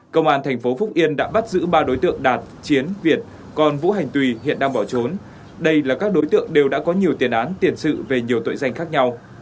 công an thành phố phúc yên đã bắt giữ ba đối tượng đạt chiến việt còn vũ hành tùy hiện đang bỏ trốn đây là các đối tượng đều đã có nhiều tiền án tiền sự về nhiều tội danh khác nhau